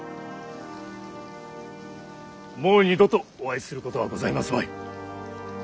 もう二度とお会いすることはございますまい。